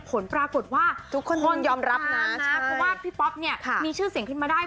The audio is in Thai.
ผลปรากฏว่าทุกคนต้องยอมรับนะเพราะว่าพี่ป๊อปเนี่ยมีชื่อเสียงขึ้นมาได้